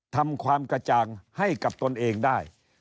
ทำความกระจ่างให้กับตนเองได้